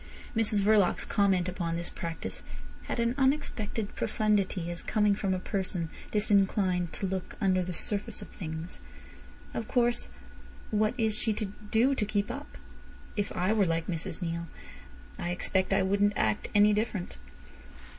Mrs Verloc's comment upon this practice had an unexpected profundity, as coming from a person disinclined to look under the surface of things. "Of course, what is she to do to keep up? If I were like Mrs Neale I expect I wouldn't act any different."